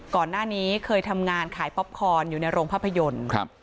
ก่อนหน้านี้เคยทำงานขายป๊อปคอนอยู่ในโรงภาพยนตร์ครับ